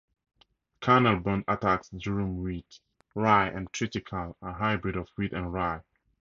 Karnal bunt attacks durum wheat, rye, and triticale, a hybrid of wheat and rye.